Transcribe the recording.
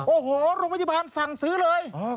โอ้โหโรงพยาบาลสั่งซื้อเลย